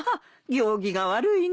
行儀が悪いね。